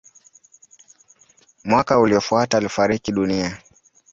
Mwaka uliofuata alifariki dunia.